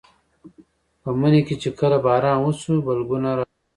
په مني کې چې کله باران وشو بلګونه راپرېوتل.